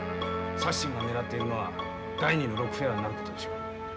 サッシンがねらっているのは第二のロックフェラーになることでしょう。